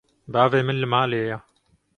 Bavê min li malê ye.